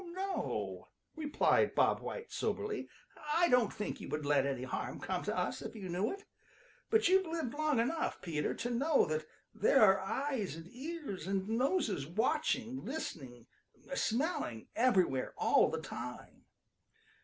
"No," replied Bob White soberly, "I don't think you would let any harm come to us if you knew it. But you've lived long enough, Peter, to know that there are eyes and ears and noses watching, listening, smelling everywhere all the time.